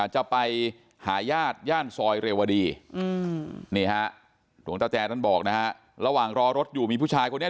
จะไปหายาดย่านซอยเรียวดีหลวงตาแจนั้นบอกระหว่างรอรถอยู่มีผู้ชายคนนี้